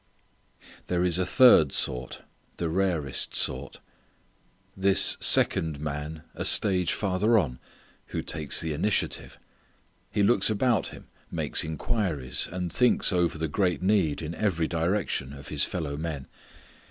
There is a third sort, the rarest sort. This second man a stage farther on, who takes the initiative. He looks about him, makes inquiries, and thinks over the great need in every direction of his fellow men.